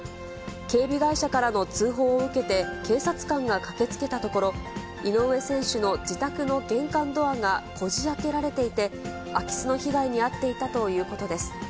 警備会社からの通報を受けて、警察官が駆けつけたところ、井上選手の自宅の玄関ドアがこじあけられていて、空き巣の被害に遭っていたということです。